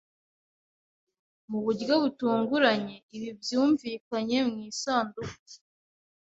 Mu buryo butunguranye ibi byumvikanye mu isanduku